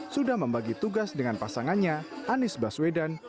sudah membagi tugas dengan pasangannya anies baswedan